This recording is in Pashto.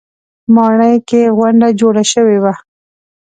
ماڼۍ کې غونډه جوړه شوې وه.